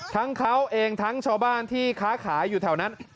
ทั้งเขาเองทั้งชาวบ้านที่ค้าขายอยู่แถวนั้น